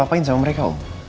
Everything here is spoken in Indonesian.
tapi apa apain sama mereka om